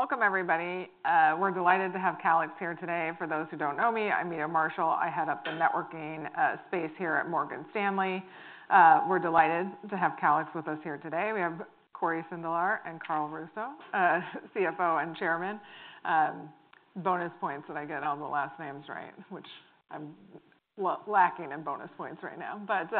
Welcome, everybody. We're delighted to have Calix here today. For those who don't know me, I'm Meta Marshall. I head up the networking space here at Morgan Stanley. We're delighted to have Calix with us here today. We have Cory Sindelar and Carl Russo, CFO and Chairman. Bonus points that I get all the last names right, which I'm lacking in bonus points right now. But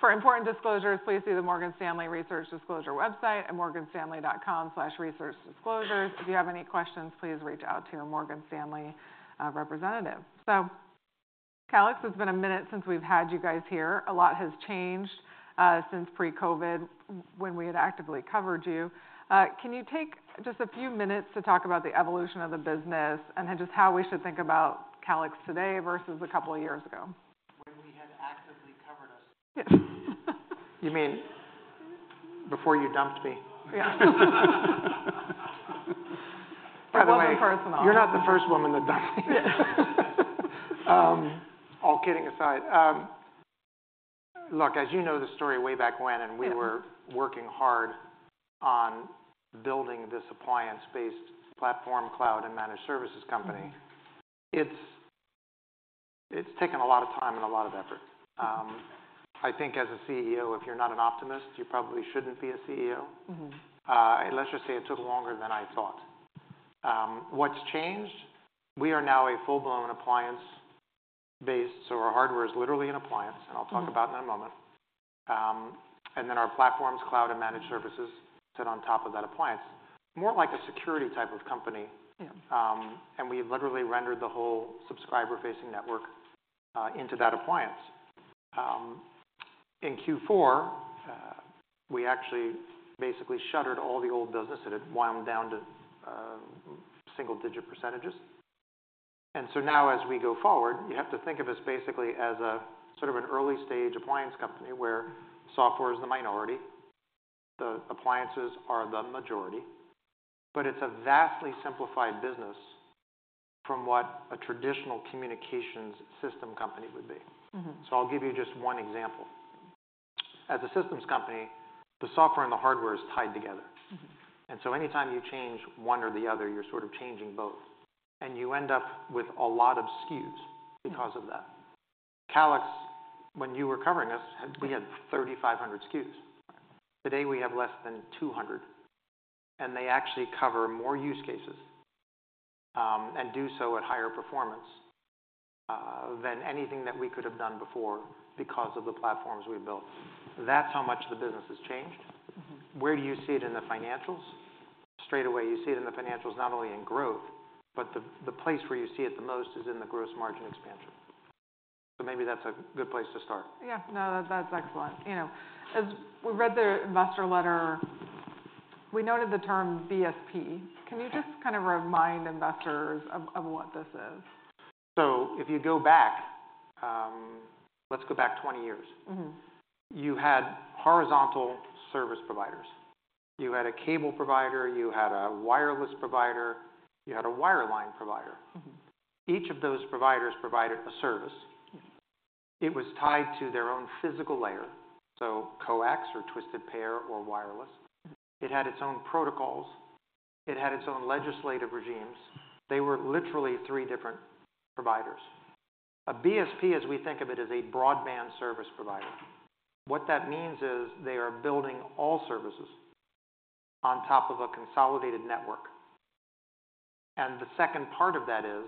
for important disclosures, please see the Morgan Stanley Research Disclosure website at morganstanley.com/researchdisclosures. If you have any questions, please reach out to your Morgan Stanley representative. So, Calix, it's been a minute since we've had you guys here. A lot has changed since pre-COVID when we had actively covered you. Can you take just a few minutes to talk about the evolution of the business and just how we should think about Calix today versus a couple of years ago? When we had actively covered us? Yes. You mean before you dumped me? Yeah. By the way. It wasn't personal. You're not the first woman that dumped me. All kidding aside. Look, as you know the story way back when, and we were working hard on building this appliance-based platform cloud and managed services company, it's taken a lot of time and a lot of effort. I think as a CEO, if you're not an optimist, you probably shouldn't be a CEO. Let's just say it took longer than I thought. What's changed? We are now a full-blown appliance-based, so our hardware is literally an appliance, and I'll talk about it in a moment. And then our platform's cloud and managed services sit on top of that appliance, more like a security type of company. And we literally rendered the whole subscriber-facing network into that appliance. In Q4, we actually basically shuttered all the old business. It had wound down to single-digit %. And so now, as we go forward, you have to think of us basically as sort of an early-stage appliance company where software is the minority, the appliances are the majority. But it's a vastly simplified business from what a traditional communications system company would be. So I'll give you just one example. As a systems company, the software and the hardware is tied together. And so anytime you change one or the other, you're sort of changing both. And you end up with a lot of SKUs because of that. Calix, when you were covering us, we had 3,500 SKUs. Today, we have less than 200. And they actually cover more use cases and do so at higher performance than anything that we could have done before because of the platforms we've built. That's how much the business has changed. Where do you see it in the financials? Straight away, you see it in the financials, not only in growth, but the place where you see it the most is in the gross margin expansion. So maybe that's a good place to start. Yeah. No, that's excellent. As we read their investor letter, we noted the term BSP. Can you just kind of remind investors of what this is? So if you go back, let's go back 20 years. You had horizontal service providers. You had a cable provider. You had a wireless provider. You had a wire line provider. Each of those providers provided a service. It was tied to their own physical layer, so coax or twisted pair or wireless. It had its own protocols. It had its own legislative regimes. They were literally three different providers. A BSP, as we think of it, is a broadband service provider. What that means is they are building all services on top of a consolidated network. And the second part of that is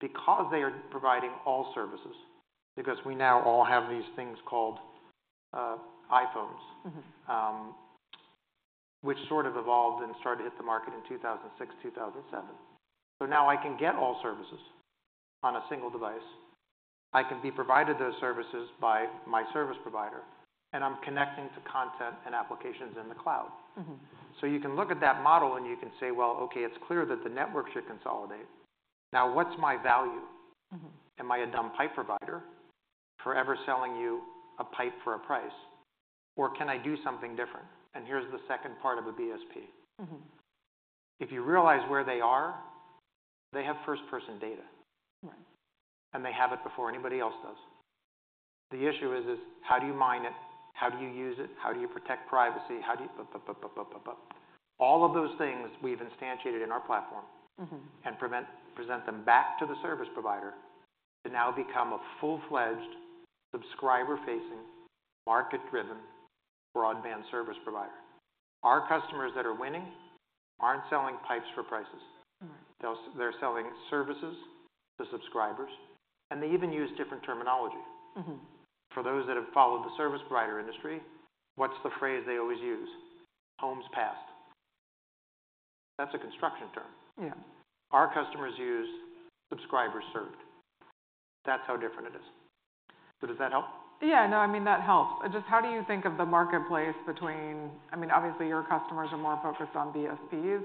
because they are providing all services, because we now all have these things called iPhones, which sort of evolved and started to hit the market in 2006, 2007. So now I can get all services on a single device. I can be provided those services by my service provider. And I'm connecting to content and applications in the cloud. So you can look at that model, and you can say, well, OK, it's clear that the networks should consolidate. Now, what's my value? Am I a dumb pipe provider forever selling you a pipe for a price? Or can I do something different? And here's the second part of a BSP. If you realize where they are, they have first-party data. And they have it before anybody else does. The issue is, how do you mine it? How do you use it? How do you protect privacy? All of those things we've instantiated in our platform and present them back to the service provider to now become a full-fledged, subscriber-facing, market-driven, broadband service provider. Our customers that are winning aren't selling pipes for prices. They're selling services to subscribers. They even use different terminology. For those that have followed the service provider industry, what's the phrase they always use? Homes passed. That's a construction term. Our customers use subscribers served. That's how different it is. So does that help? Yeah. No, I mean, that helps. Just how do you think of the marketplace between—I mean, obviously, your customers are more focused on BSPs.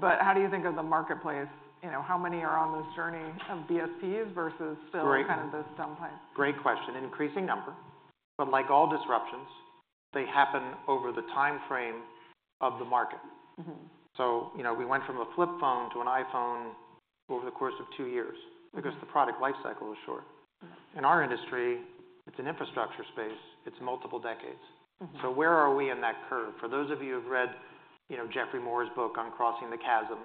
But how do you think of the marketplace? How many are on this journey of BSPs versus still kind of this dumb pipe? Great question. Increasing number. But like all disruptions, they happen over the time frame of the market. So we went from a flip phone to an iPhone over the course of 2 years because the product lifecycle is short. In our industry, it's an infrastructure space. It's multiple decades. So where are we in that curve? For those of you who have read Geoffrey Moore's book on Crossing the Chasm,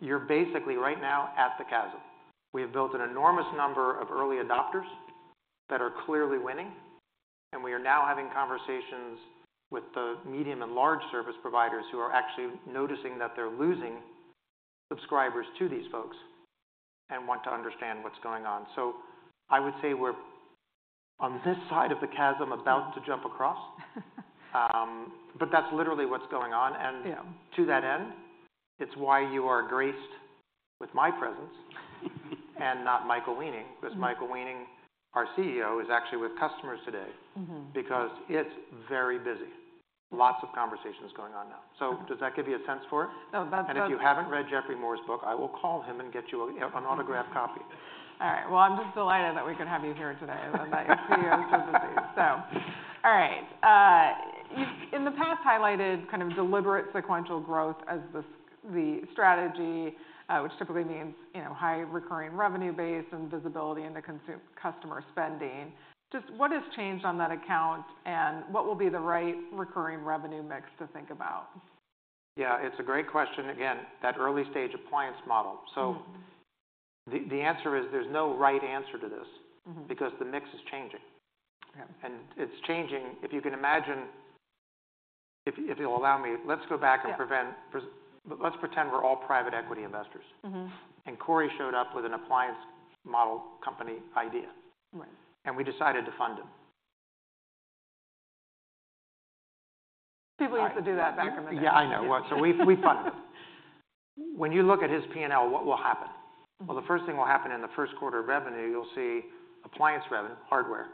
you're basically right now at the chasm. We have built an enormous number of early adopters that are clearly winning. And we are now having conversations with the medium and large service providers who are actually noticing that they're losing subscribers to these folks and want to understand what's going on. So I would say we're on this side of the chasm about to jump across. But that's literally what's going on. To that end, it's why you are graced with my presence and not Michael Weening, because Michael Weening, our CEO, is actually with customers today because it's very busy. Lots of conversations going on now. Does that give you a sense for it? If you haven't read Geoffrey Moore's book, I will call him and get you an autographed copy. All right. Well, I'm just delighted that we could have you here today and that your CEO is overseas. So all right. You've in the past highlighted kind of deliberate sequential growth as the strategy, which typically means high recurring revenue-based and visibility into customer spending. Just what has changed on that account? And what will be the right recurring revenue mix to think about? Yeah, it's a great question. Again, that early-stage appliance model. So the answer is, there's no right answer to this because the mix is changing. And it's changing if you can imagine if you'll allow me, let's go back and pretend we're all private equity investors. And Cory showed up with an appliance model company idea. And we decided to fund him. People used to do that back in the day. Yeah, I know. So we funded him. When you look at his P&L, what will happen? Well, the first thing will happen in the first quarter of revenue, you'll see appliance revenue, hardware,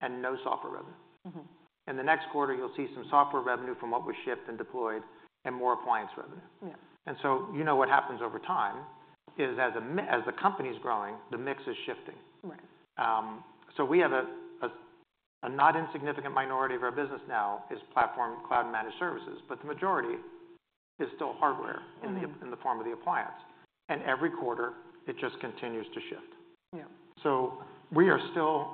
and no software revenue. In the next quarter, you'll see some software revenue from what was shipped and deployed and more appliance revenue. And so you know what happens over time is, as the company's growing, the mix is shifting. So we have a not insignificant minority of our business now is platform cloud and managed services. But the majority is still hardware in the form of the appliance. And every quarter, it just continues to shift. So we are still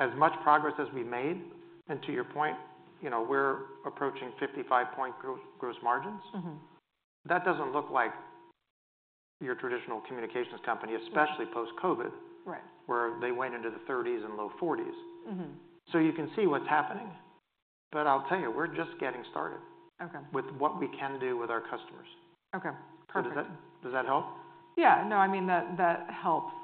as much progress as we've made. And to your point, we're approaching 55% gross margins. That doesn't look like your traditional communications company, especially post-COVID, where they went into the 30s and low 40s. So you can see what's happening. But I'll tell you, we're just getting started with what we can do with our customers. So does that help? Yeah. No, I mean, that helps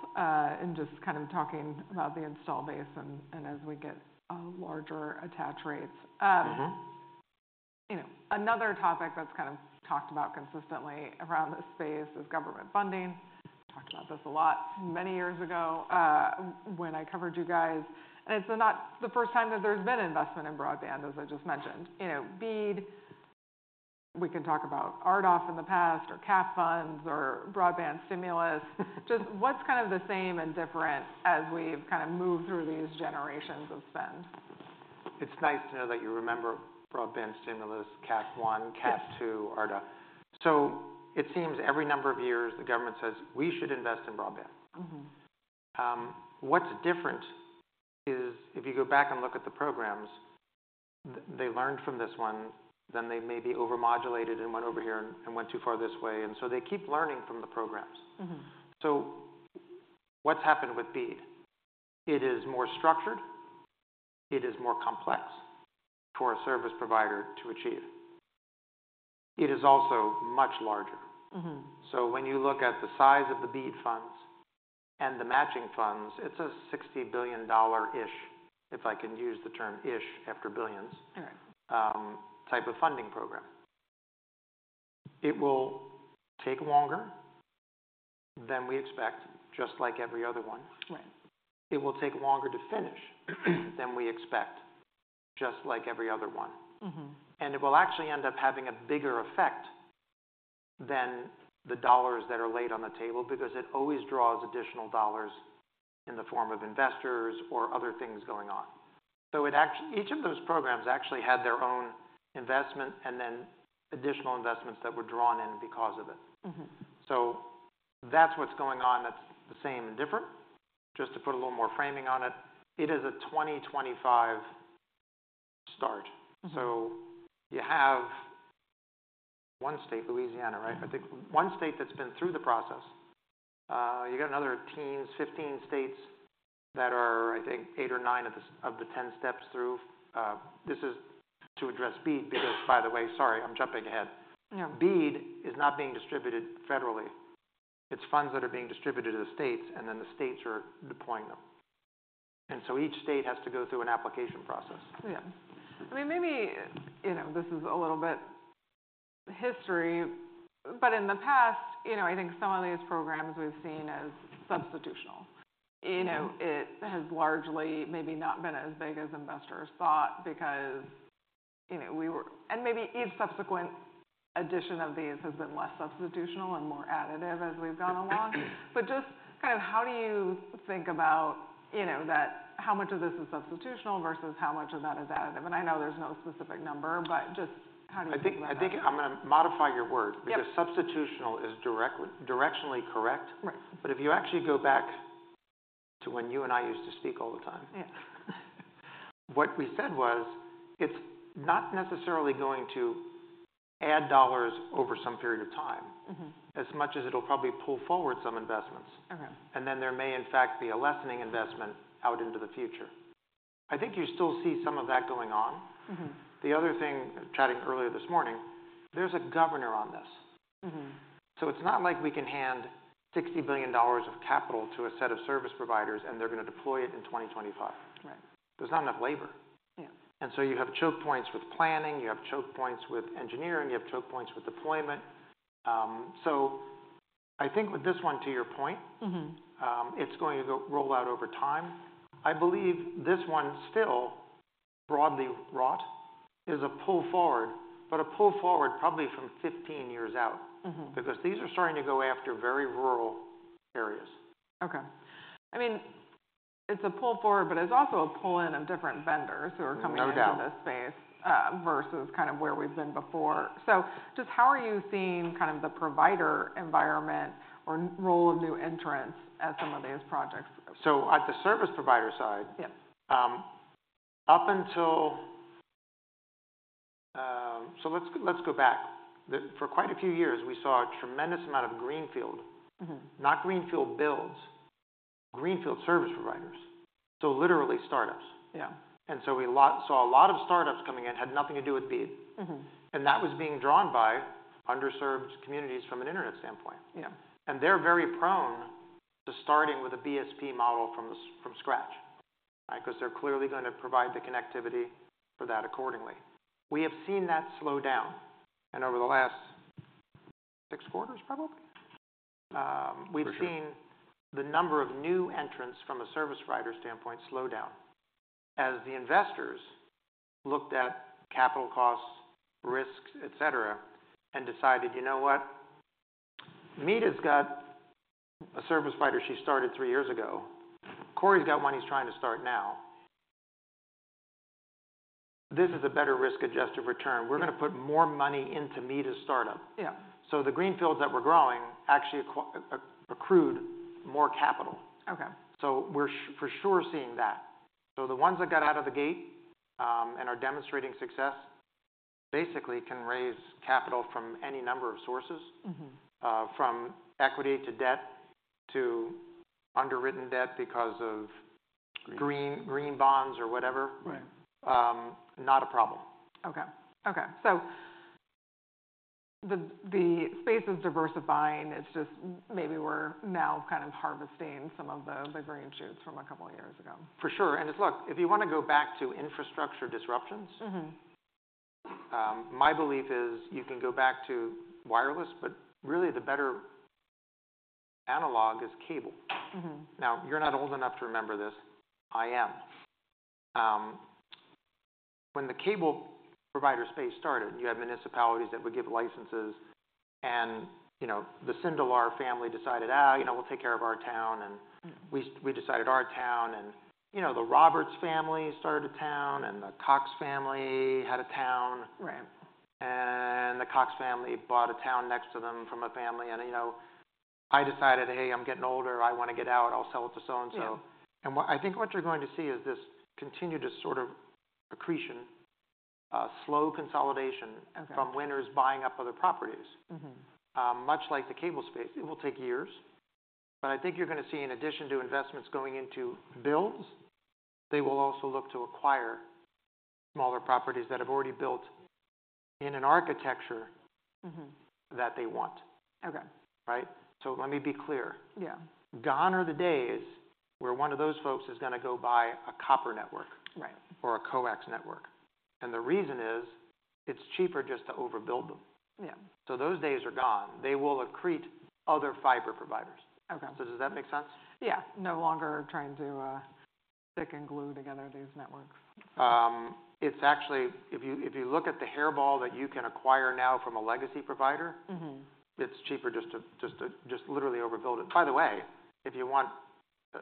in just kind of talking about the install base and as we get larger attach rates. Another topic that's kind of talked about consistently around this space is government funding. Talked about this a lot many years ago when I covered you guys. It's not the first time that there's been investment in broadband, as I just mentioned. BEAD, we can talk about RDOF in the past or CAF funds or broadband stimulus. Just what's kind of the same and different as we've kind of moved through these generations of spend? It's nice to know that you remember Broadband Stimulus, CAF I, CAF II, RDOF. So it seems every number of years, the government says, we should invest in broadband. What's different is, if you go back and look at the programs, they learned from this one. Then they may be over-modulated and went over here and went too far this way. And so they keep learning from the programs. So what's happened with BEAD? It is more structured. It is more complex for a service provider to achieve. It is also much larger. So when you look at the size of the BEAD funds and the matching funds, it's a $60 billion-ish, if I can use the term "ish" after billions, type of funding program. It will take longer than we expect, just like every other one. It will take longer to finish than we expect, just like every other one. And it will actually end up having a bigger effect than the dollars that are laid on the table because it always draws additional dollars in the form of investors or other things going on. So each of those programs actually had their own investment and then additional investments that were drawn in because of it. So that's what's going on that's the same and different. Just to put a little more framing on it, it is a 2025 start. So you have one state, Louisiana, right? I think one state that's been through the process. You got another ten, 15 states that are, I think, eight or nine of the 10 steps through. This is to address BEAD because, by the way, sorry, I'm jumping ahead. BEAD is not being distributed federally. It's funds that are being distributed to the states. Then the states are deploying them. So each state has to go through an application process. Yeah. I mean, maybe this is a little bit of history. In the past, I think some of these programs we've seen as substitutional. It has largely maybe not been as big as investors thought because we were and maybe each subsequent addition of these has been less substitutional and more additive as we've gone along. Just kind of how do you think about how much of this is substitutional versus how much of that is additive? And I know there's no specific number. Just how do you think about that? I think I'm going to modify your word because substitutional is directionally correct. But if you actually go back to when you and I used to speak all the time, what we said was, it's not necessarily going to add dollars over some period of time as much as it'll probably pull forward some investments. And then there may, in fact, be a lessening investment out into the future. I think you still see some of that going on. The other thing, chatting earlier this morning, there's a governor on this. So it's not like we can hand $60 billion of capital to a set of service providers, and they're going to deploy it in 2025. There's not enough labor. And so you have choke points with planning. You have choke points with engineering. You have choke points with deployment. So I think with this one, to your point, it's going to roll out over time. I believe this one still, broadly wrought, is a pull forward, but a pull forward probably from 15 years out because these are starting to go after very rural areas. OK. I mean, it's a pull forward. But it's also a pull-in of different vendors who are coming into this space versus kind of where we've been before. So just how are you seeing kind of the provider environment or role of new entrants as some of these projects? So at the service provider side, up until so let's go back. For quite a few years, we saw a tremendous amount of Greenfield not Greenfield builds, Greenfield service providers, so literally startups. And so we saw a lot of startups coming in had nothing to do with BEAD. And that was being drawn by underserved communities from an internet standpoint. And they're very prone to starting with a BSP model from scratch because they're clearly going to provide the connectivity for that accordingly. We have seen that slow down. And over the last 6 quarters, probably, we've seen the number of new entrants from a service provider standpoint slow down as the investors looked at capital costs, risks, et cetera, and decided, you know what? Meta's got a service provider she started 3 years ago. Cory's got one he's trying to start now. This is a better risk-adjusted return. We're going to put more money into Meta's startup. So the Greenfields that were growing actually accrued more capital. So we're for sure seeing that. So the ones that got out of the gate and are demonstrating success basically can raise capital from any number of sources, from equity to debt to underwritten debt because of green bonds or whatever. Not a problem. OK. OK. So the space is diversifying. It's just maybe we're now kind of harvesting some of the green shoots from a couple of years ago. For sure. And it's, look, if you want to go back to infrastructure disruptions, my belief is you can go back to wireless. But really, the better analog is cable. Now, you're not old enough to remember this. I am. When the cable provider space started, and you had municipalities that would give licenses, and the Sindelar family decided, we'll take care of our town. And we decided our town. And the Roberts family started a town. And the Cox family had a town. And the Cox family bought a town next to them from a family. And I decided, hey, I'm getting older. I want to get out. I'll sell it to so-and-so. And I think what you're going to see is this continued sort of accretion, slow consolidation from winners buying up other properties, much like the cable space. It will take years. But I think you're going to see, in addition to investments going into builds, they will also look to acquire smaller properties that have already built in an architecture that they want. So let me be clear. Gone are the days where one of those folks is going to go buy a copper network or a coax network. And the reason is, it's cheaper just to overbuild them. So those days are gone. They will accrete other fiber providers. So does that make sense? Yeah, no longer trying to stick and glue together these networks. It's actually, if you look at the hairball that you can acquire now from a legacy provider, it's cheaper just to literally overbuild it. By the way, if you want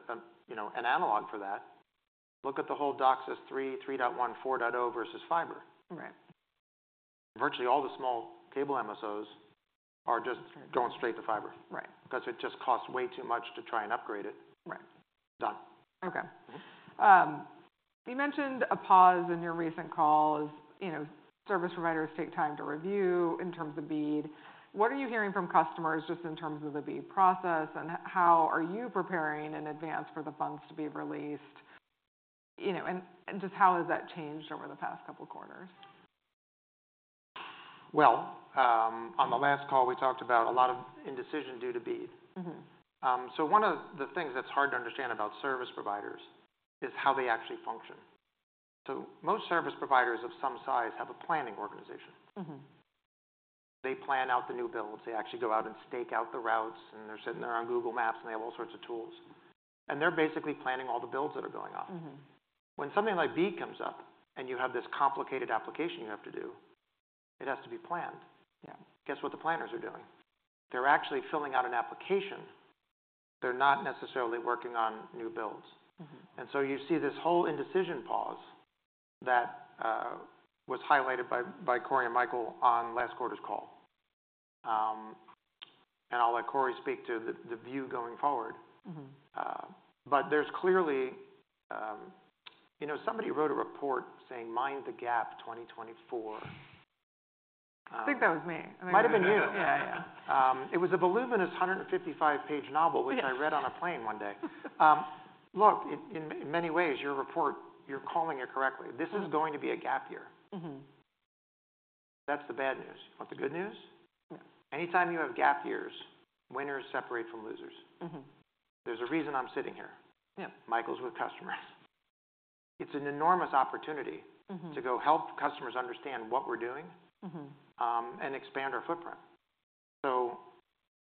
an analog for that, look at the whole DOCSIS 3.0, 3.1, 4.0 versus fiber. Virtually all the small cable MSOs are just going straight to fiber because it just costs way too much to try and upgrade it. Done. OK. You mentioned a pause in your recent call as service providers take time to review in terms of BEAD. What are you hearing from customers just in terms of the BEAD process? And how are you preparing in advance for the funds to be released? And just how has that changed over the past couple of quarters? Well, on the last call, we talked about a lot of indecision due to BEAD. So one of the things that's hard to understand about service providers is how they actually function. So most service providers of some size have a planning organization. They plan out the new builds. They actually go out and stake out the routes. And they're sitting there on Google Maps. And they have all sorts of tools. And they're basically planning all the builds that are going off. When something like BEAD comes up, and you have this complicated application you have to do, it has to be planned. Guess what the planners are doing? They're actually filling out an application. They're not necessarily working on new builds. And so you see this whole indecision pause that was highlighted by Cory and Michael on last quarter's call. And I'll let Cory speak to the view going forward. But there's clearly somebody wrote a report saying, "Mind the Gap 2024. I think that was me. Might have been you. Yeah, yeah. It was a voluminous 155-page novel, which I read on a plane one day. Look, in many ways, your report, you're calling it correctly. This is going to be a gap year. That's the bad news. You want the good news? Any time you have gap years, winners separate from losers. There's a reason I'm sitting here. Michael's with customers. It's an enormous opportunity to go help customers understand what we're doing and expand our footprint. So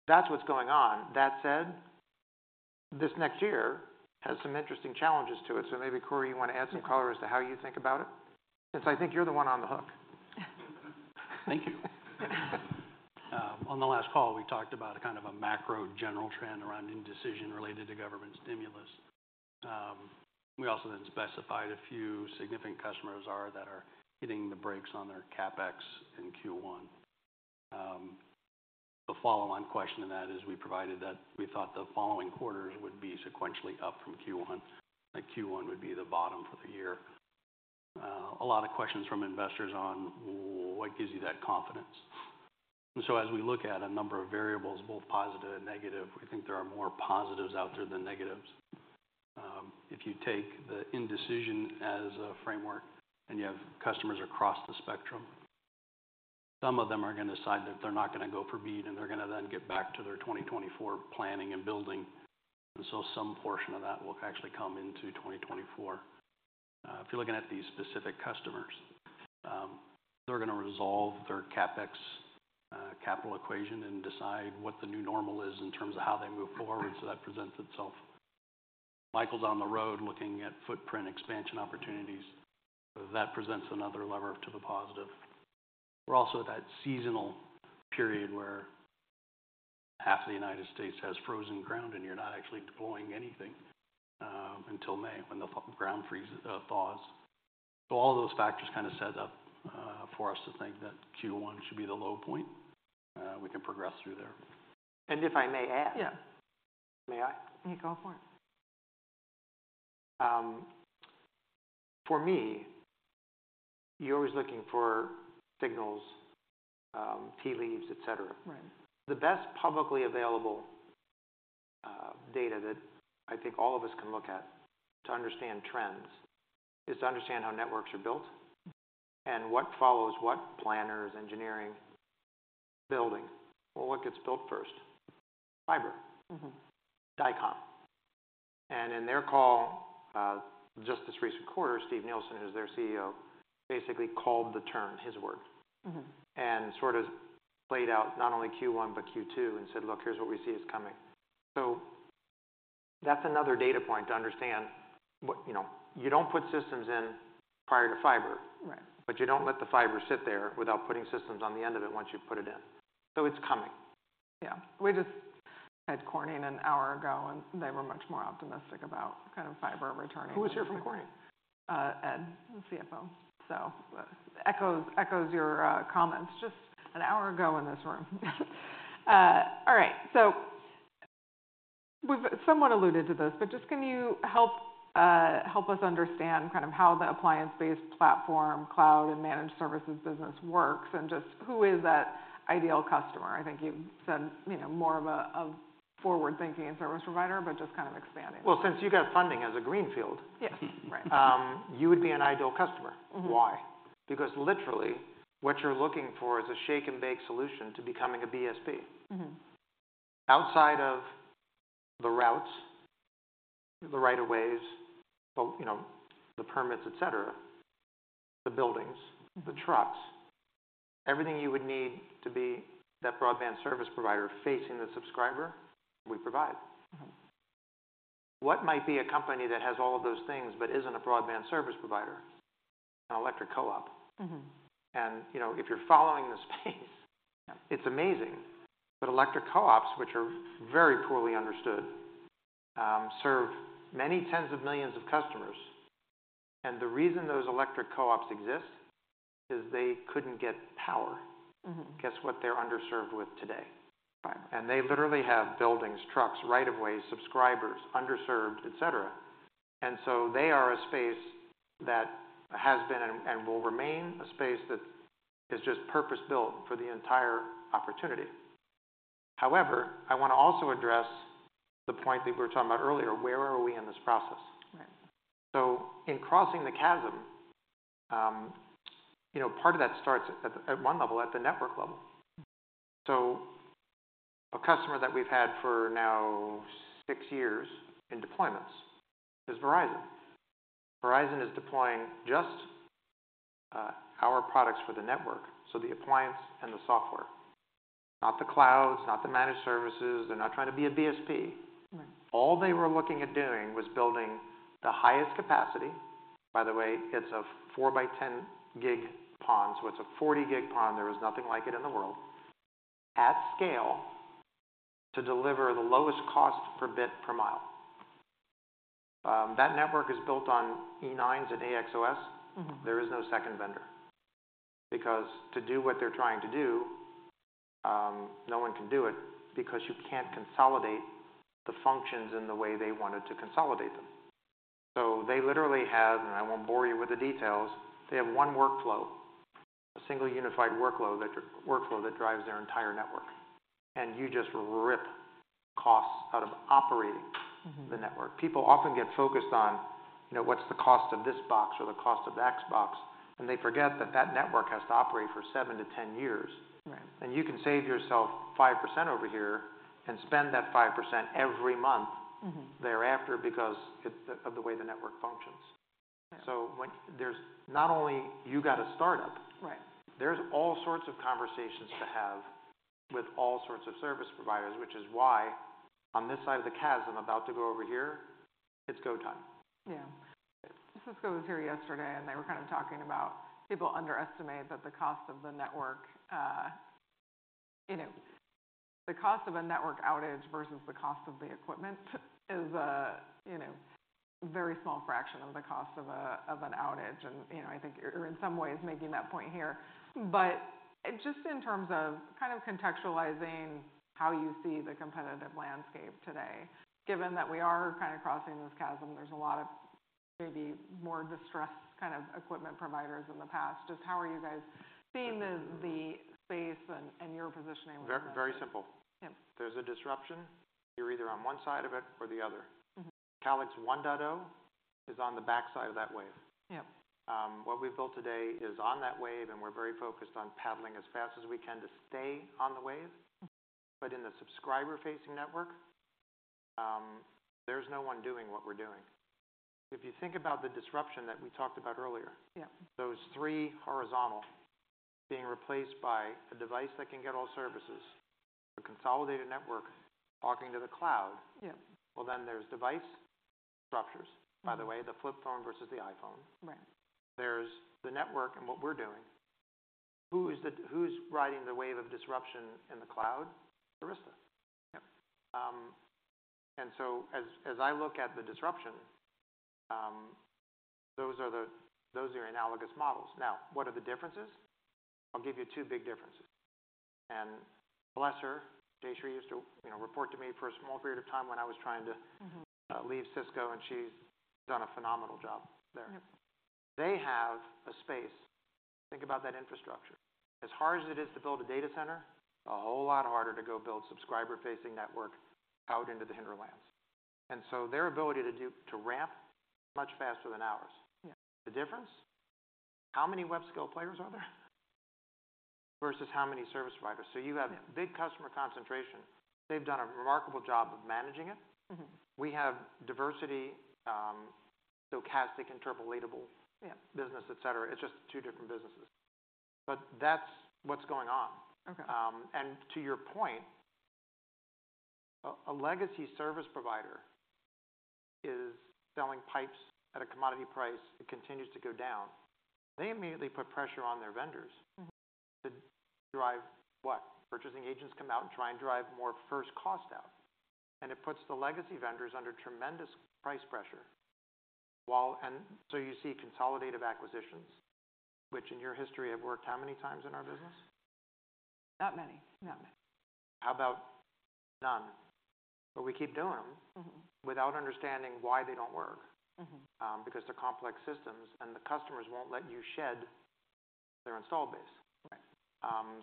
that's what's going on. That said, this next year has some interesting challenges to it. So maybe, Cory, you want to add some color as to how you think about it? And so I think you're the one on the hook. Thank you. On the last call, we talked about kind of a macro general trend around indecision related to government stimulus. We also then specified a few significant customers that are hitting the brakes on their CapEx in Q1. The follow-on question to that is, we provided that we thought the following quarters would be sequentially up from Q1, that Q1 would be the bottom for the year. A lot of questions from investors on, what gives you that confidence? And so as we look at a number of variables, both positive and negative, we think there are more positives out there than negatives. If you take the indecision as a framework, and you have customers across the spectrum, some of them are going to decide that they're not going to go for BEAD. And they're going to then get back to their 2024 planning and building. Some portion of that will actually come into 2024. If you're looking at these specific customers, they're going to resolve their CapEx capital equation and decide what the new normal is in terms of how they move forward. That presents itself. Michael's on the road looking at footprint expansion opportunities. That presents another lever to the positive. We're also at that seasonal period where half the United States has frozen ground. And you're not actually deploying anything until May when the ground thaws. All of those factors kind of set up for us to think that Q1 should be the low point. We can progress through there. If I may ask, may I? You go for it. For me, you're always looking for signals, tea leaves, et cetera. The best publicly available data that I think all of us can look at to understand trends is to understand how networks are built and what follows what planners, engineering, building. Well, what gets built first? Fiber, Dycom. And in their call just this recent quarter, Steve Nielsen, who's their CEO, basically called the turn, his word, and sort of laid out not only Q1 but Q2 and said, look, here's what we see is coming. So that's another data point to understand. You don't put systems in prior to fiber. But you don't let the fiber sit there without putting systems on the end of it once you put it in. So it's coming. Yeah. We just had Corning an hour ago. They were much more optimistic about kind of fiber returning. Who was here from Corning? Ed, the CFO. So echoes your comments just an hour ago in this room. All right. So we've somewhat alluded to this. But just can you help us understand kind of how the appliance-based platform, cloud, and managed services business works? And just who is that ideal customer? I think you said more of a forward-thinking service provider but just kind of expanding. Well, since you got funding as a Greenfield, you would be an ideal customer. Why? Because literally, what you're looking for is a shake-and-bake solution to becoming a BSP outside of the routes, the rights-of-way, the permits, et cetera, the buildings, the trucks, everything you would need to be that broadband service provider facing the subscriber we provide. What might be a company that has all of those things but isn't a broadband service provider? An electric co-op. And if you're following the space, it's amazing. But electric co-ops, which are very poorly understood, serve many tens of millions of customers. And the reason those electric co-ops exist is they couldn't get power. Guess what they're underserved with today? And they literally have buildings, trucks, rights-of-way, subscribers, underserved, et cetera. So they are a space that has been and will remain a space that is just purpose-built for the entire opportunity. However, I want to also address the point that we were talking about earlier. Where are we in this process? So in Crossing the Chasm, part of that starts at 1 level, at the network level. So a customer that we've had for now 6 years in deployments is Verizon. Verizon is deploying just our products for the network, so the appliance and the software, not the clouds, not the managed services. They're not trying to be a BSP. All they were looking at doing was building the highest capacity. By the way, it's a 4 by 10 gig PON. So it's a 40 gig PON. There was nothing like it in the world at scale to deliver the lowest cost per bit per mile. That network is built on E9s and AXOS. There is no second vendor because to do what they're trying to do, no one can do it because you can't consolidate the functions in the way they wanted to consolidate them. So they literally have and I won't bore you with the details. They have one workflow, a single unified workflow that drives their entire network. And you just rip costs out of operating the network. People often get focused on what's the cost of this box or the cost of that box. And they forget that that network has to operate for 7-10 years. And you can save yourself 5% over here and spend that 5% every month thereafter because of the way the network functions. So, not only you got a startup, there's all sorts of conversations to have with all sorts of service providers, which is why on this side of the chasm about to go over here, it's go time. Yeah. Cisco was here yesterday. They were kind of talking about how people underestimate that the cost of the network, the cost of a network outage versus the cost of the equipment, is a very small fraction of the cost of an outage. I think you're, in some ways, making that point here. But just in terms of kind of contextualizing how you see the competitive landscape today, given that we are kind of crossing this chasm, there's a lot of maybe more distressed kind of equipment providers than the past. Just how are you guys seeing the space and your positioning with this? Very simple. There's a disruption. You're either on one side of it or the other. Calix 1.0 is on the backside of that wave. What we've built today is on that wave. And we're very focused on paddling as fast as we can to stay on the wave. But in the subscriber-facing network, there's no one doing what we're doing. If you think about the disruption that we talked about earlier, those three horizontal being replaced by a device that can get all services, a consolidated network talking to the cloud, well, then there's device structures, by the way, the flip phone versus the iPhone. There's the network and what we're doing. Who's riding the wave of disruption in the cloud? Arista. And so as I look at the disruption, those are analogous models. Now, what are the differences? I'll give you two big differences. And also, Jayshree, used to report to me for a small period of time when I was trying to leave Cisco. And she's done a phenomenal job there. They have a space. Think about that infrastructure. As hard as it is to build a data center, a whole lot harder to go build subscriber-facing network out into the hinterlands. And so their ability to ramp is much faster than ours. The difference? How many web-scale players are there versus how many service providers? So you have big customer concentration. They've done a remarkable job of managing it. We have diversity, stochastic, interpolatable business, et cetera. It's just two different businesses. But that's what's going on. And to your point, a legacy service provider is selling pipes at a commodity price. It continues to go down. They immediately put pressure on their vendors to drive what? Purchasing agents come out and try and drive more first cost out. It puts the legacy vendors under tremendous price pressure. So you see consolidative acquisitions, which in your history have worked how many times in our business? Not many, not many. How about none? But we keep doing them without understanding why they don't work because they're complex systems. And the customers won't let you shed their installed base.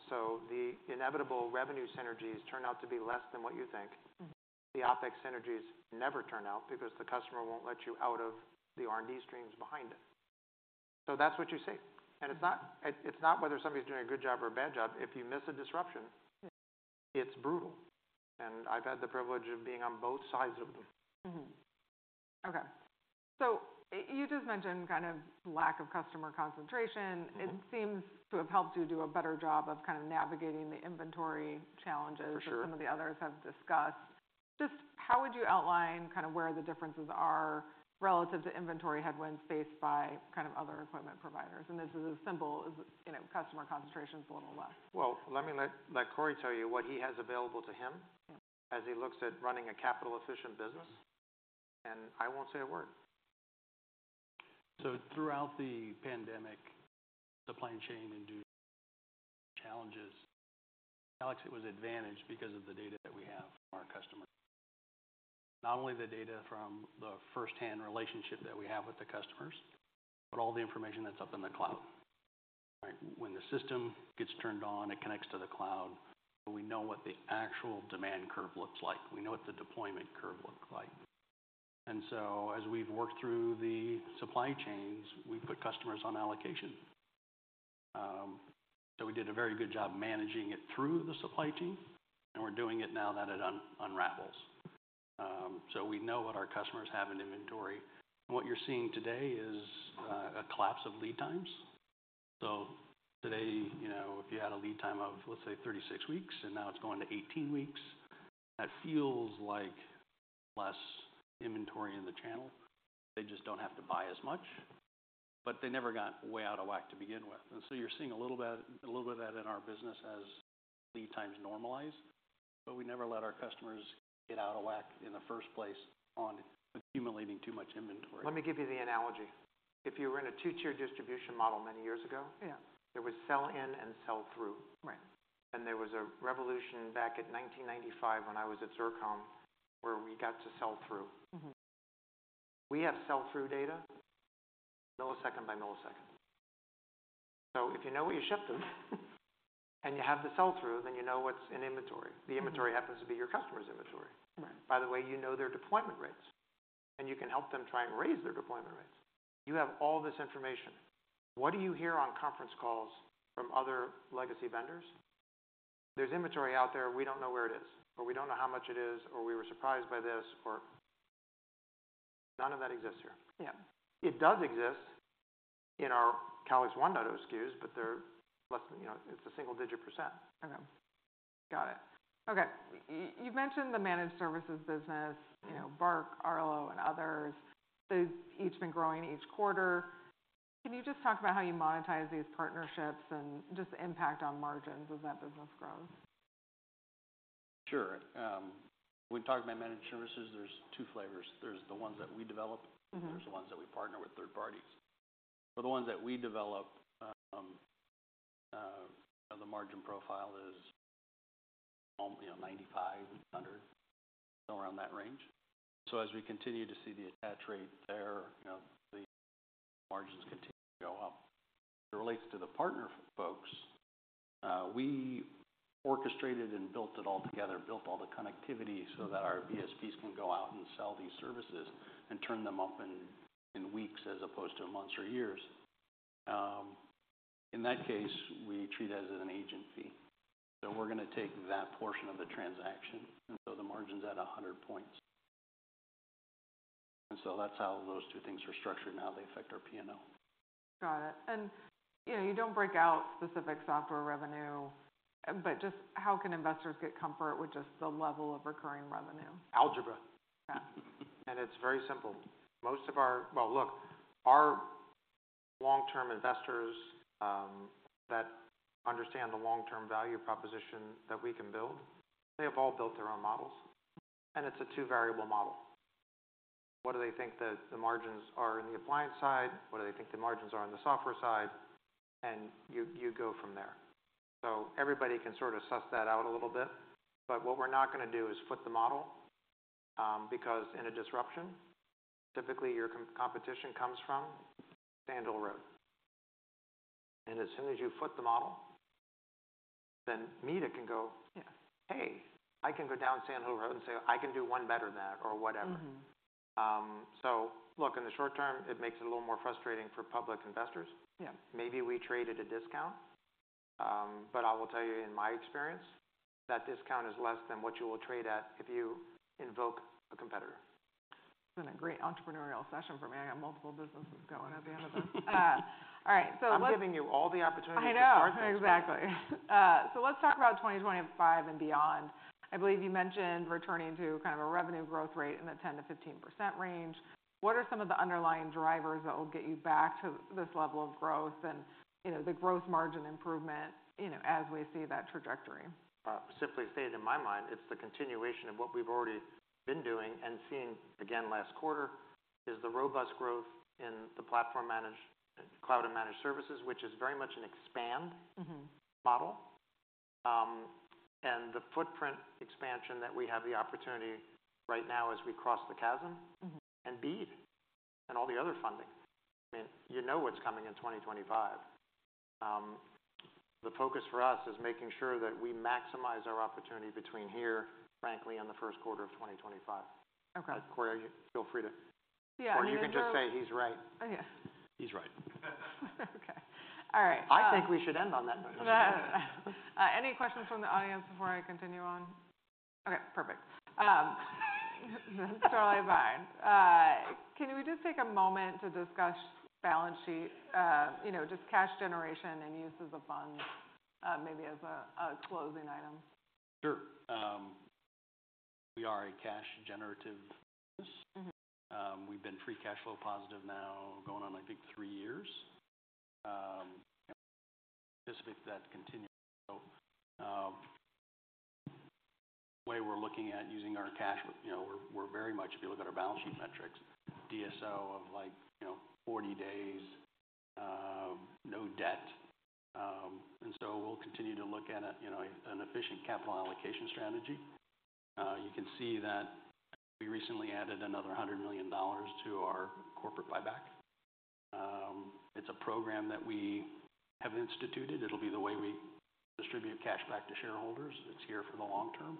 So the inevitable revenue synergies turn out to be less than what you think. The OpEx synergies never turn out because the customer won't let you out of the R&D streams behind it. So that's what you see. And it's not whether somebody's doing a good job or a bad job. If you miss a disruption, it's brutal. And I've had the privilege of being on both sides of them. OK. So you just mentioned kind of lack of customer concentration. It seems to have helped you do a better job of kind of navigating the inventory challenges that some of the others have discussed. Just how would you outline kind of where the differences are relative to inventory headwinds faced by kind of other equipment providers? And this is as simple as customer concentration is a little less. Well, let me let Cory tell you what he has available to him as he looks at running a capital-efficient business. And I won't say a word. So throughout the pandemic, supply chain-induced challenges, Calix was advantaged because of the data that we have from our customers, not only the data from the firsthand relationship that we have with the customers but all the information that's up in the cloud. When the system gets turned on, it connects to the cloud. We know what the actual demand curve looks like. We know what the deployment curve looked like. And so as we've worked through the supply chains, we put customers on allocation. So we did a very good job managing it through the supply chain. And we're doing it now that it unravels. So we know what our customers have in inventory. And what you're seeing today is a collapse of lead times. So today, if you had a lead time of, let's say, 36 weeks, and now it's going to 18 weeks, that feels like less inventory in the channel. They just don't have to buy as much. But they never got way out of whack to begin with. And so you're seeing a little bit of that in our business as lead times normalize. But we never let our customers get out of whack in the first place on accumulating too much inventory. Let me give you the analogy. If you were in a two-tier distribution model many years ago, there was sell-in and sell-through. There was a revolution back in 1995 when I was at Xircom where we got to sell-through. We have sell-through data millisecond by millisecond. So if you know what you shipped them and you have the sell-through, then you know what's in inventory. The inventory happens to be your customer's inventory. By the way, you know their deployment rates. You can help them try and raise their deployment rates. You have all this information. What do you hear on conference calls from other legacy vendors? There's inventory out there. We don't know where it is. Or we don't know how much it is. Or we were surprised by this. None of that exists here. It does exist in our Calix 1.0 SKUs. But it's a single-digit %. OK. Got it. OK. You've mentioned the managed services business, BARC, RLO, and others. They've each been growing each quarter. Can you just talk about how you monetize these partnerships and just the impact on margins as that business grows? Sure. When we talk about managed services, there's two flavors. There's the ones that we develop. There's the ones that we partner with third parties. For the ones that we develop, the margin profile is 9,500, around that range. So as we continue to see the attach rate there, the margins continue to go up. It relates to the partner folks. We orchestrated and built it all together, built all the connectivity so that our BSPs can go out and sell these services and turn them up in weeks as opposed to months or years. In that case, we treat it as an agent fee. So we're going to take that portion of the transaction. And so the margin's at 100 points. And so that's how those two things are structured now. They affect our P&L. Got it. And you don't break out specific software revenue. But just how can investors get comfort with just the level of recurring revenue? Algebra. It's very simple. Most of our—well, look. Our long-term investors that understand the long-term value proposition that we can build, they have all built their own models. It's a two-variable model. What do they think the margins are in the appliance side? What do they think the margins are on the software side? You go from there. So everybody can sort of suss that out a little bit. But what we're not going to do is foot the model because in a disruption, typically, your competition comes from Sand Hill Road. As soon as you foot the model, then Meta can go, "Hey, I can go down Sand Hill Road and say, I can do one better than that or whatever." So look. In the short term, it makes it a little more frustrating for public investors. Maybe we trade at a discount. I will tell you, in my experience, that discount is less than what you will trade at if you invoke a competitor. It's been a great entrepreneurial session for me. I got multiple businesses going at the end of this. All right. I'm giving you all the opportunities to start businesses. I know. Exactly. So let's talk about 2025 and beyond. I believe you mentioned returning to kind of a revenue growth rate in the 10%-15% range. What are some of the underlying drivers that will get you back to this level of growth and the growth margin improvement as we see that trajectory? Simply stated in my mind, it's the continuation of what we've already been doing and seeing. Again, last quarter is the robust growth in the platform-managed, cloud-managed services, which is very much an expand model. And the footprint expansion that we have the opportunity right now as we cross the chasm and BEAD and all the other funding. I mean, you know what's coming in 2025. The focus for us is making sure that we maximize our opportunity between here, frankly, and the first quarter of 2025. Cory, feel free to. Or you can just say he's right. He's right. I think we should end on that note. Any questions from the audience before I continue on? OK. Perfect. That's totally fine. Can we just take a moment to discuss balance sheet, just cash generation and uses of funds maybe as closing items? Sure. We are a cash-generative business. We've been free cash flow positive now going on, I think, three years. We anticipate that to continue. So the way we're looking at using our cash we're very much, if you look at our balance sheet metrics, DSO of like 40 days, no debt. And so we'll continue to look at an efficient capital allocation strategy. You can see that we recently added another $100 million to our corporate buyback. It's a program that we have instituted. It'll be the way we distribute cash back to shareholders. It's here for the long term.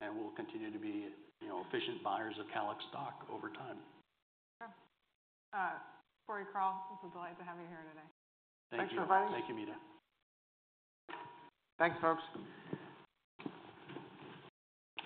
And we'll continue to be efficient buyers of Calix stock over time. Cory Sindelar, it's a delight to have you here today. Thank you. Thanks for inviting me. Thank you, Meta. Thanks, folks.